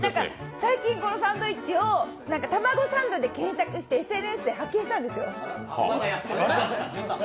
最近、このサンドイッチを卵サンドで検索してＳＮＳで発見したんですよ。